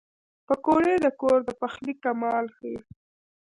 پکورې د کور د پخلي کمال ښيي